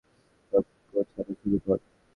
সব গোছানো শুরু কর।